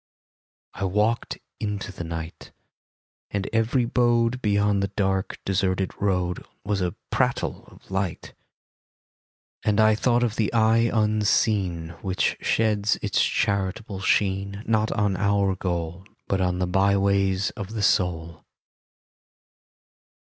I walked into the night, And every abode Beyond the dark, deserted road Was a prattle of light. And I thought of the Eye Unseen Which sheds its charitable sheen, Not on our goal. But on the by ways of the Soul.